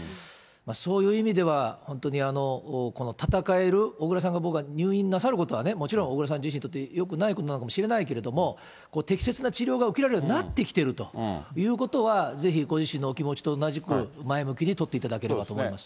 そういう意味では、本当にこの闘える、小倉さんが僕は入院なさることはもちろん、小倉さん自身にとってよくないことなのかもしれないけれども、適切な治療が受けられるようになってきているということは、ぜひご自身のお気持ちと同じく、前向きに取っていただければと思います。